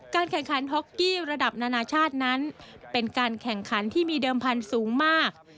แข่งขันฮอกกี้ระดับนานาชาตินั้นเป็นการแข่งขันที่มีเดิมพันธุ์สูงมาก